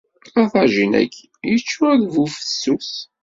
Aḍajin-agi yeččur d bufessus.